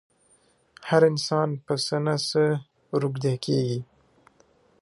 هر انسان په څه نه څه روږدی کېږي.